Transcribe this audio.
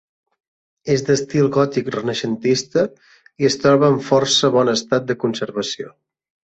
És d'estil gòtic-renaixentista i es troba en força bon estat de conservació.